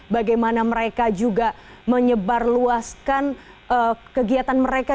bagaimana mereka juga menyebarluaskan kegiatan mereka